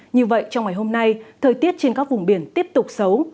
như vậy trong ngày hôm nay thời tiết trên các vùng biển tiếp tục xấu